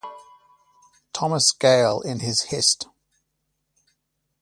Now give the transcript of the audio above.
Thomas Gale, in his Hist.